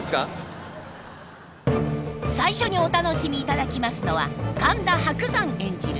最初にお楽しみいただきますのは神田伯山演じる